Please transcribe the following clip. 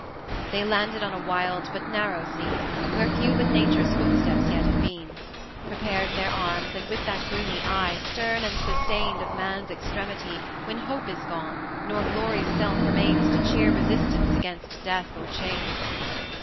XI. They landed on a wild but narrow scene, Where few but Nature's footsteps yet had been; Prepared their arms, and with that gloomy eye, Stern and sustained, of man's extremity, When Hope is gone, nor Glory's self remains To cheer resistance against death or chains.